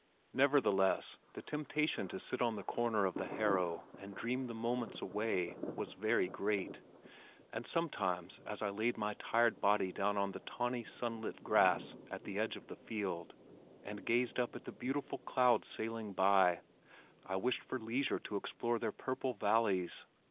Nevertheless the temptation to sit on the corner of the harrow and dream the moments away was very great, and sometimes as I laid my tired body down on the tawny, sunlit grass at the edge of the field, and gazed up at the beautiful clouds sailing by, I wished for leisure to explore their purple valleys.